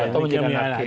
atau menjadi anarkis